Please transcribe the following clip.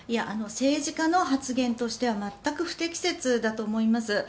政治家の発言としては全く不適切だと思います。